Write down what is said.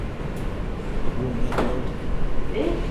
Ik woe him net leauwe.